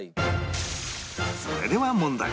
それでは問題